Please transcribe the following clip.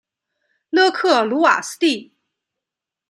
勒克鲁瓦斯蒂。